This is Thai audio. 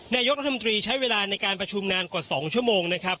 นายกรัฐมนตรีใช้เวลาในการประชุมนานกว่า๒ชั่วโมงนะครับ